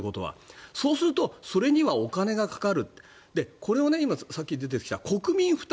それにはお金がかかるとこれをさっき出てきた国民負担